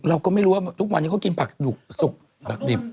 เราก็ไม่รู้ว่าทุกวันนี้เขากินผักดุกสุกผักดิบ